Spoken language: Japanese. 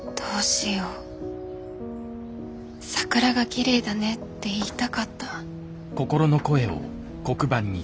桜がきれいだねって言いたかった。